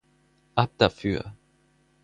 Ab dafür!